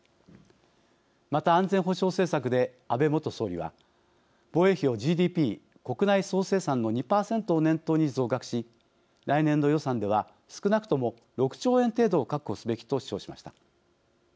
また、安全保障政策で安倍元総理は、防衛費をＧＤＰ＝国内総生産の２％を念頭に増額し、来年度予算では少なくとも６兆円程度を確保すべきと主張しました。